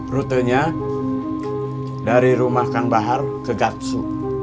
rutenya dari rumah kang bahar ke gatsu